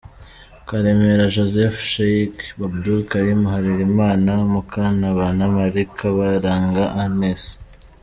Karemera Joseph , Sheikh Abdul Karim Harerimana, Mukantabana Marie , Mukabaranga Agnes.